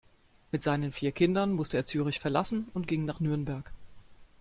Mit seinen vier Kindern musste er Zürich verlassen und ging nach Nürnberg.